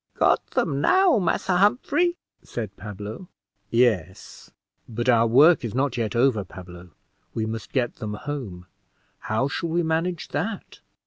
"Got them now, Massa Humphrey," said Pablo. "Yes; but our work is not yet over, Pablo; we must get them home; how shall we manage that?"